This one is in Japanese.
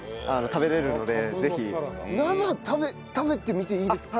生食べてみていいですか？